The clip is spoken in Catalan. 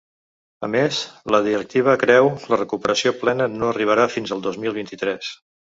A més, la directiva creu la recuperació plena no arribarà fins al dos mil vint-i-tres.